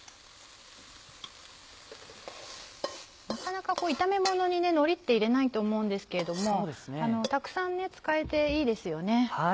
なかなか炒めものにのりって入れないと思うんですけれどもたくさん使えていいですよね。